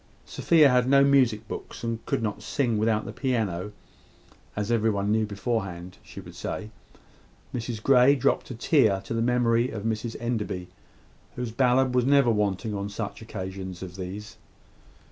Sophia had no music books, and could not sing without the piano, as every one knew beforehand she would say. Mrs Grey dropped a tear to the memory of Mrs Enderby, whose ballad was never wanting on such occasions as these.